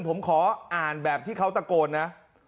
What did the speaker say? ผมขออ่านแบบที่เขาตะโกนนะ